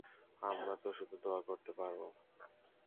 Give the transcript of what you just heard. আমরা তো শুধু দোয়া করতে পারবো?